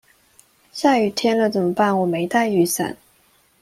下雨天了怎麼辦我沒帶雨傘